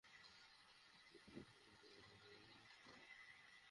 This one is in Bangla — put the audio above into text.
তখন পেছনে ধাওয়া করা যুবকদের সঙ্গে এলাকাবাসী জড়ো হয়ে গাড়িটি ঘিরে ফেলেন।